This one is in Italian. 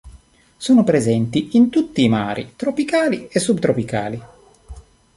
Sono presenti in tutti i mari tropicali e subtropicali.